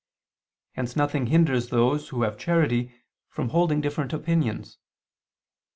Hence nothing hinders those who have charity from holding different opinions.